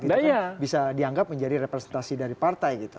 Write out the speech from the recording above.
itu bisa dianggap menjadi representasi dari partai gitu